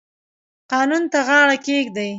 قانون ته غاړه کیږدئ